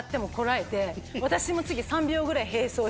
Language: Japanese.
私も次。